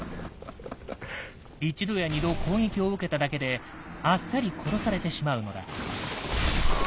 １度や２度攻撃を受けただけであっさり殺されてしまうのだ。